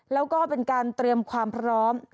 แล้วก็เป็นการเตรียมความพร้อม